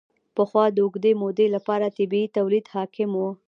پخوا د اوږدې مودې لپاره طبیعي تولید حاکم و.